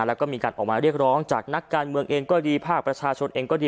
แล้วก็มีการออกมาเรียกร้องจากนักการเมืองเองก็ดีภาคประชาชนเองก็ดี